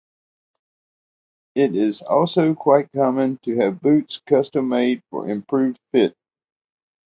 It is also quite common to have boots custom-made for improved fit.